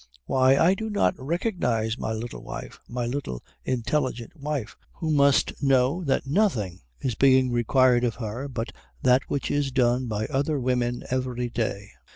Why, I do not recognise my little wife, my little intelligent wife who must know that nothing is being required of her but that which is done by other women every day."